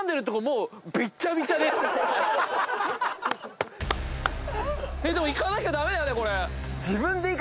でもいかなきゃ駄目だよねこれ。